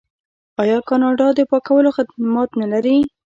آیا کاناډا د پاکولو خدمات نلري؟